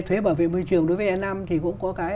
thuế bảo vệ môi trường đối với e năm thì cũng có cái